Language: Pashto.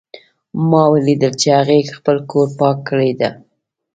ما ولیدل چې هغې خپل کور پاک کړی ده